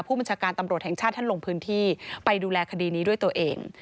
ผู้บัญชาการตำรวจแห่งชาติท่านลงพื้นที่ไปดูแลคดีนี้ด้วยตัวเอง